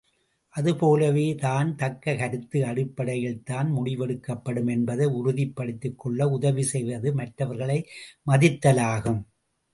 அதுபோலவே தான், தக்க கருத்து அடிப்படையில்தான் முடிவெடுக்கப்படும் என்பதை உறுதிப் படுத்திக்கொள்ள உதவி செய்வது மற்றவர்களை மதித்தலாகும்.